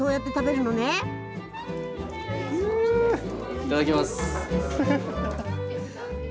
いただきます。